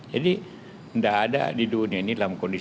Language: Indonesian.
jadi tidak ada di dunia ini dalam kondisi